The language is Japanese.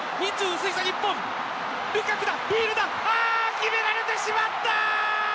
決められてしまった。